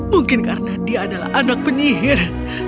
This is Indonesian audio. mungkin karena dia adalah anak penyihir